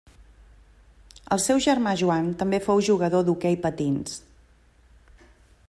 El seu germà Joan també fou jugador d'hoquei patins.